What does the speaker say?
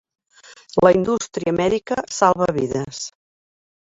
La indústria mèdica salva vides.